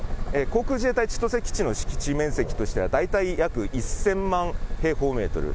航空自衛隊千歳基地の敷地面積としては大体約１０００万平方メートル。